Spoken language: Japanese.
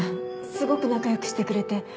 すごく仲良くしてくれて